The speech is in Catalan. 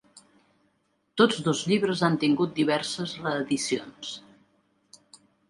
Tots dos llibres han tingut diverses reedicions.